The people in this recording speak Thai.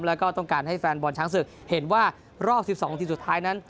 แล้วก็ต้องการให้แฟนบอลช้างศึกเห็นว่ารอบ๑๒ทีมสุดท้ายนั้น